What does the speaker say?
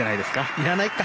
いらないか。